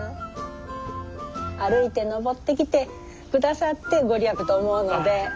歩いて登ってきてくださってご利益と思うので。